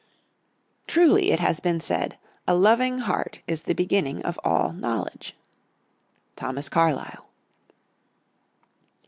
"Truly it has been said, a loving heart is the beginning of all knowledge." _Thomas Carlyle.